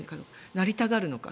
なりたがるのか。